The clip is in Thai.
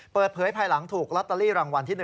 ภายหลังถูกลอตเตอรี่รางวัลที่๑